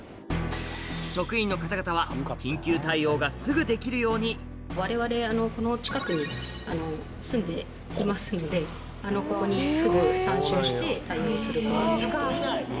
職員の方々は緊急対応がすぐできるようにわれわれこの近くに住んでいますのでここにすぐ参集して対応することとか。